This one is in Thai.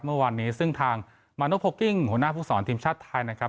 เมื่อวานนี้ซึ่งทางหัวหน้าภูมิสอนทีมชาติไทยนะครับ